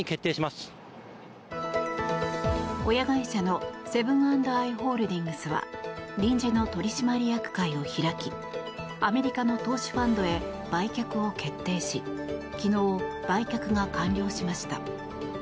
親会社のセブン＆アイ・ホールディングスは臨時の取締役会を開きアメリカの投資ファンドへ売却を決定し昨日、売却が完了しました。